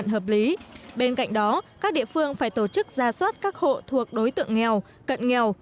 trước đó các địa phương phải tổ chức ra soát các hộ thuộc đối tượng nghèo cận nghèo